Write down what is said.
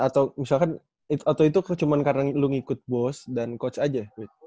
atau misalkan itu cuma karena lo ngikut bos dan coach aja